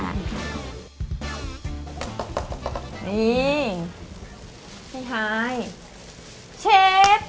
นี่ไม่ท้ายเช็ด